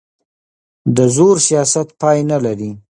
د زور سیاست پای نه لري